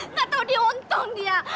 nggak tahu dia untung dia